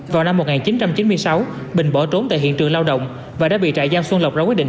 vào năm một nghìn chín trăm chín mươi sáu bình bỏ trốn tại hiện trường lao động và đã bị trại giam xuân lộc ra quyết định